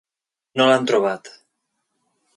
No l'han trobat.